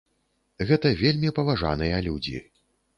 Гэта вельмі паважаныя людзі.